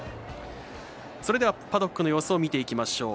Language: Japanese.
それではパドックの様子を見ていきましょう。